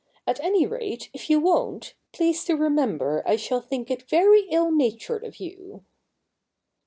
At any rate, if you won't, please to remember I shall think it very ill natured of you.'